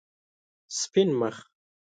سپین مخ